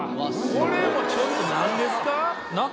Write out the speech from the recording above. これもうちょっと何ですか？